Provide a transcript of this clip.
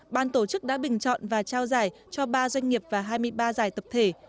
ban tổ chức đã bình chọn và trao giải cho ba doanh nghiệp và hai mươi ba giải tập thể